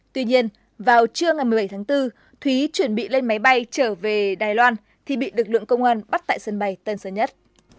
tuy nhiên vào trưa ngày một mươi bảy tháng bốn thúy chuẩn bị lên máy bay trở về đài loan thì bị lực lượng công an bắt tại sân bay tân sơn nhất